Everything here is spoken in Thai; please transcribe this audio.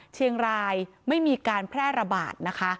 เชียงรายไม่มีการแพร่ระบาดนะคะ